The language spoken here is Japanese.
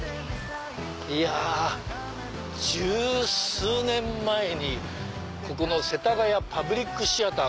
いや１０数年前に世田谷パブリックシアター